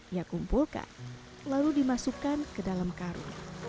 yang kumpulkan lalu dimasukkan ke dalam karun